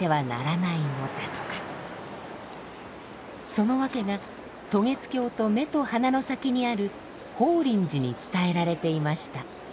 その訳が渡月橋と目と鼻の先にある法輪寺に伝えられていました。